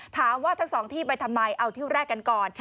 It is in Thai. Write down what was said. ถามว่าทั้งสองที่ไปทำไมเอาที่แรกกันก่อน